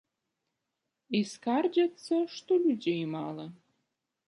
І скардзяцца, што людзей мала.